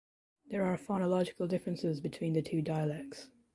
There are phonological differences between the two dialects.